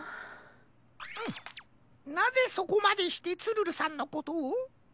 なぜそこまでしてツルルさんのことを？